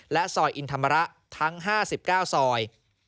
และซอยอินธรรมระทั้ง๕๙ซอย